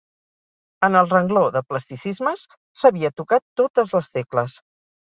En el rengló de plasticismes sabia tocar totes les tecles.